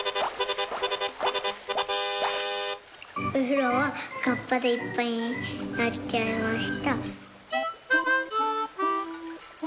「おふろはカッパでいっぱいになっちゃいました」。